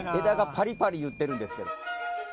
枝がパリパリいってるんですけど。